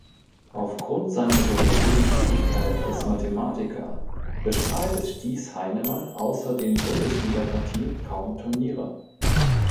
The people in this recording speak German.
Aufgrund seiner beruflichen Tätigkeit als Mathematiker bestreitet Thies Heinemann außer den Bundesligapartien kaum Turniere.